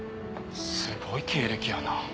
すごい経歴やな。